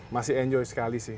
masih enjoy sekali sih